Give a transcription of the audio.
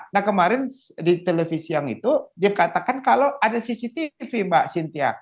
nah kemarin di televisi yang itu dia katakan kalau ada cctv mbak sintia